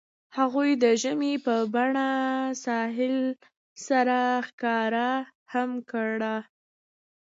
هغوی د ژمنې په بڼه ساحل سره ښکاره هم کړه.